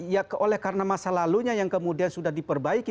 ya oleh karena masa lalunya yang kemudian sudah diperbaiki